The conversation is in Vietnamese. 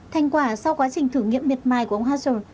thành quả sau quá trình thử nghiệm miệt mài của ông hassan